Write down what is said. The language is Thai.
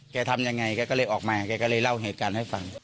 ทำยังไงแกก็เลยออกมาแกก็เลยเล่าเหตุการณ์ให้ฟัง